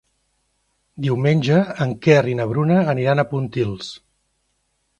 Diumenge en Quer i na Bruna aniran a Pontils.